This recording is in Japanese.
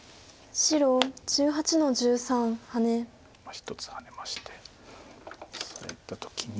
１つハネましてオサえた時に。